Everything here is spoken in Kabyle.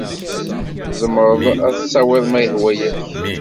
Tzemreḍ ad tt-tawiḍ ma yehwa-ak.